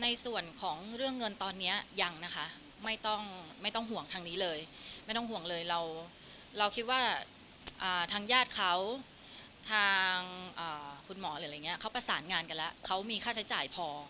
ในส่วนของเรื่องเงินตอนนี้ยังนะคะไม่ต้องไม่ต้องห่วงทางนี้เลยไม่ต้องห่วงเลยเราคิดว่าทางญาติเขาทางคุณหมอหรืออะไรอย่างนี้เขาประสานงานกันแล้วเขามีค่าใช้จ่ายพอ